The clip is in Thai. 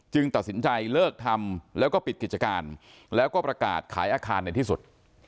ตัดสินใจเลิกทำแล้วก็ปิดกิจการแล้วก็ประกาศขายอาคารในที่สุด